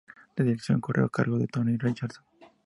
La dirección corrió a cargo de Tony Richardson.